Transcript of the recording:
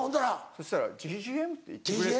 そしたら「ＧＧＭ？」って言ってくれて。